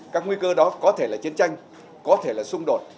các nguy cơ đó có thể là chiến tranh có thể là xung đột